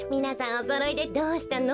おそろいでどうしたの？